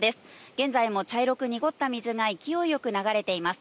現在も茶色く濁った水が勢いよく流れています。